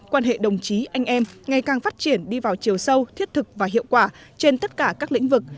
quan hệ đồng chí anh em ngày càng phát triển đi vào chiều sâu thiết thực và hiệu quả trên tất cả các lĩnh vực